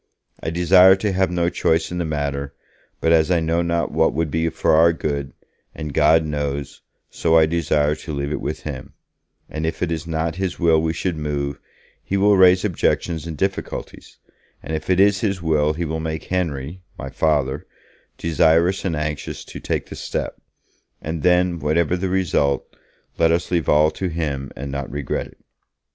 I desire to have no choice in the matter, but as I know not what would be for our good, and God knows, so I desire to leave it with Him, and if it is not His will we should move, He will raise objections and difficulties, and if it is His will He will make Henry [my Father] desirous and anxious to take the step, and then, whatever the result, let us leave all to Him and not regret it.'